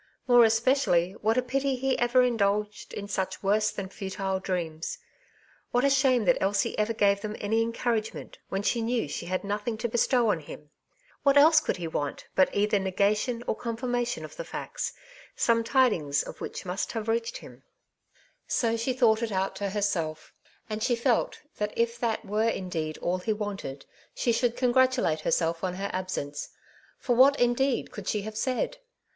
more especially^ what 2o8 " Two Sides to every Question,^* a pity he ever indulged in such worse tlian fatile dreams I What a shame that Elsie ever gave them any encouragement^ when she knew she had nothing to bestow on him 1 What else could he want bat either negation or confirmation of the facts^ some tidings of which must have reached him f ^' So she thought it out to herself; and she felt that if that were indeed all he wanted^ she should congratulate herself on her absence ; for what in deed could she have said?